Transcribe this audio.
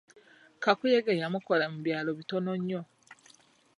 Kakuyege yamukola mu byalo bitono nnyo.